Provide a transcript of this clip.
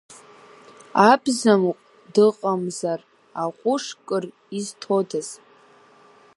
Абзамыҟә дыҟамзар, аҟәыш кыр изҭодаз.